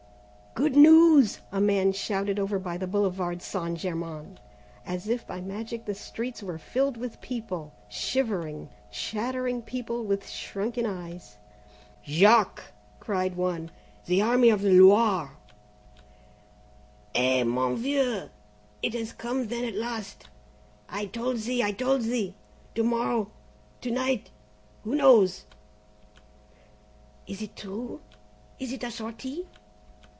"Good news!" a man shouted over by the Boulevard St. Germain. As if by magic the streets were filled with people, shivering, chattering people with shrunken eyes. "Jacques!" cried one. "The Army of the Loire!" "Eh! mon vieux, it has come then at last! I told thee! I told thee! To morrow to night who knows?" "Is it true? Is it a sortie?"